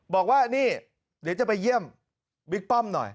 บอกว่านี่เดี๋ยวจะไปเยี่ยมบิ๊กป้อมหน่อย